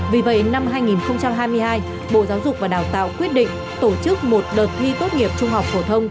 vì vậy năm hai nghìn hai mươi hai bộ giáo dục và đào tạo quyết định tổ chức một đợt thi tốt nghiệp trung học phổ thông